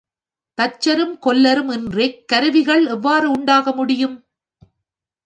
தச்சரும் கொல்லரும் இன்றிக் கருவிகள் எவ்வாறு உண்டாக முடியும்?